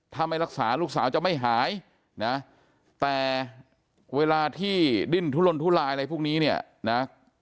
ถ้าไม่รักษาลูกสาวจะไม่หายนะแต่เวลาที่ดิ้นทุลนทุลายอะไรพวกนี้เนี่ยนะ